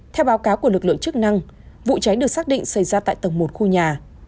theo báo cáo của lực lượng chức năng vụ cháy được xác định xảy ra tại tầng một khu nhà